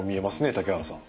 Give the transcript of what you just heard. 竹原さん。